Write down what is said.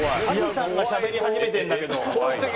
加地さんがしゃべり始めてるんだけど。